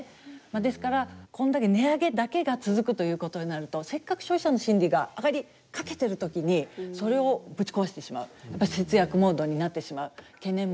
まあですからこんだけ値上げだけが続くということになるとせっかく消費者の心理が上がりかけてる時にそれをぶち壊してしまうやっぱり節約モードになってしまう懸念もある。